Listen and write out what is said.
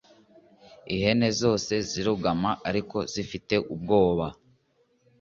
ihene zose zirugama ariko zifite ubwoba.